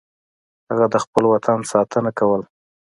هغه د خپل وطن ساتنه کوله.